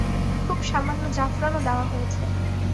খুব সামান্য জাফরানও দেওয়া হয়েছে।